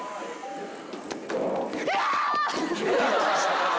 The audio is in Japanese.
うわ！